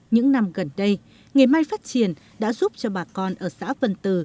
những năm gần đây nghề may phát triển đã giúp cho bà con ở xã vân từ